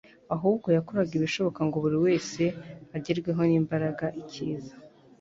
ahubwo yakoraga ibishoboka ngo buri wese agerweho n'imbaraga ikiza